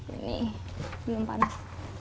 ini belum panas